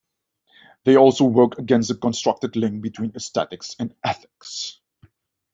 They also work against the constructed link between aesthetics and ethics.